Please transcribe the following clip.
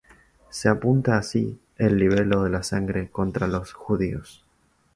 Se apunta así el libelo de sangre contra los judíos.